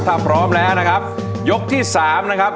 ถ้าพร้อมแล้วนะครับยกที่สามนะครับ